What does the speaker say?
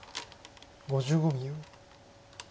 ５５秒。